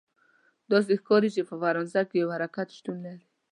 داسې ښکاري چې په فرانسه کې یو حرکت شتون لري.